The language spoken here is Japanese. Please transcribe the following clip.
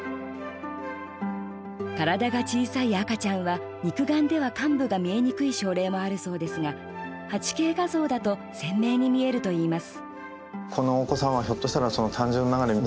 体が小さい赤ちゃんは肉眼では患部が見えにくい症例もあるそうですが、８Ｋ画像だと鮮明に見えるといいます。